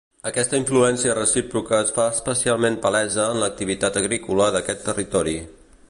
Aquesta influència recíproca es fa especialment palesa en l’activitat agrícola d’aquest territori.